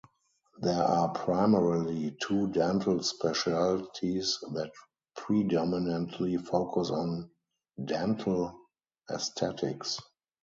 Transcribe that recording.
There are primarily two dental specialties that predominantly focus on dental esthetics.